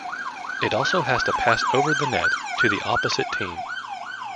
It also has to pass over the net to the opposite team.